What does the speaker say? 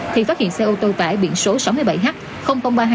thì phát hiện xe ô tô tải biển số sáu mươi bảy h ba trăm hai mươi tám